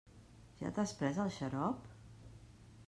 Ja t'has pres el xarop?